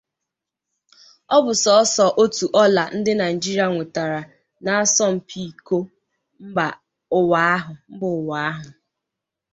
Ọ bụ sọsọ otu ọla ndị Naịjirịa nwetara n'asọmpi Iko Mbaụwa ahụ.